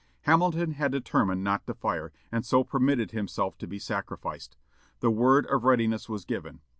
Hamilton had determined not to fire, and so permitted himself to be sacrificed. The word of readiness was given.